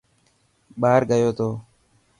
ٻاهر گيو ٿو.